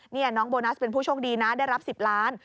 นี่น้องโบนัสเป็นผู้โชคดีนะได้รับ๑๐ล้าน